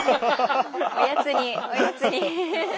おやつにおやつに。